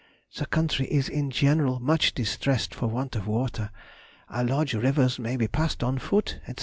The country is in general much distressed for want of water; our large rivers may be passed on foot, &c.